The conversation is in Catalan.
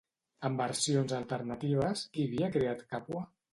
En versions alternatives, qui havia creat Càpua?